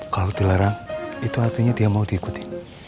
kalau dilarang itu artinya dia mau diikuti